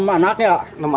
enam anak ya